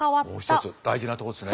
もう一つ大事なとこですね。